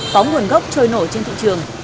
có nguồn gốc trôi nổ trên thị trường